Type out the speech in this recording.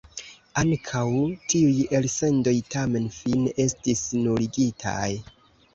Ankaŭ tiuj elsendoj tamen fine estis nuligitaj.